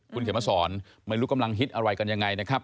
คุณเขียนมาสอนไม่รู้กำลังฮิตอะไรกันยังไงนะครับ